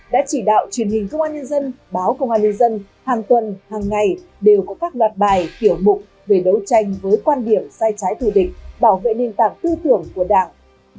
đã chỉ đạo truyền hình công an nhân dân báo công an nhân dân hàng tuần hàng ngày đều có các loạt bài kiểu mục về đấu tranh với quan điểm sai trái thù địch bảo vệ nền tảng tư tưởng của đảng